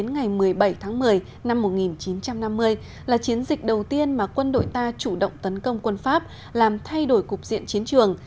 năm một nghìn chín trăm năm mươi là chiến dịch đầu tiên mà quân đội ta chủ động tấn công quân pháp làm thay đổi cục diện chiến trường